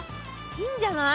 いいんじゃない？